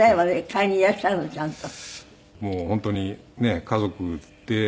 買いにいらっしゃるのちゃんと。